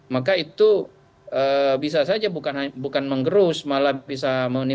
maka itu bisa saja bukan mengusungnya